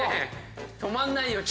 止まんないよ。